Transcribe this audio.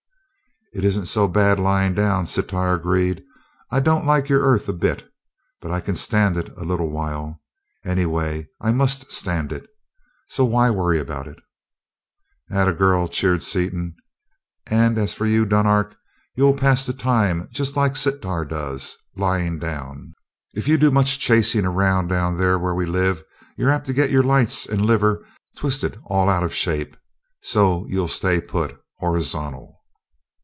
"It isn't so bad lying down." Sitar agreed. "I don't like your Earth a bit, but I can stand it a little while. Anyway, I must stand it, so why worry about it?" "'At a girl!" cheered Seaton. "And as for you, Dunark, you'll pass the time just like Sitar does lying down. If you do much chasing around down there where we live, you're apt to get your lights and liver twisted all out of shape so you'll stay put, horizontal.